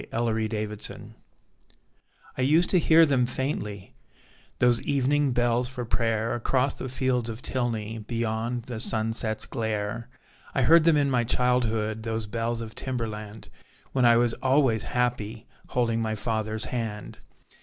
Timberland Bells I used to hear them faintly Those evening bells for prayer, Across the fields of Tilney, Beyond the sunset's glare. I heard them in my childhood, Those bells of Timberland, When I was always happy, Holding my father's hand.